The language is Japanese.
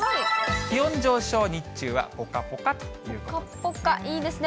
気温上昇、日中はぽかぽかということですね。